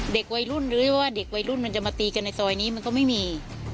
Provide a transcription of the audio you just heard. เด็กวัยรุ่นหรือว่าเด็กวัยรุ่นมันจะมาตีกันในซอยนี้มันก็ไม่มี